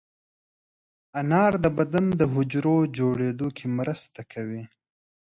انار د بدن د حجرو جوړېدو کې مرسته کوي.